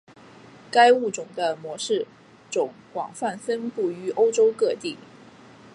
该物种的模式种广泛分布于欧洲各地。